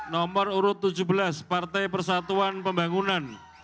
nomor urut tujuh belas partai persatuan pembangunan